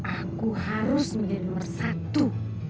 aku harus menjadi nomor satu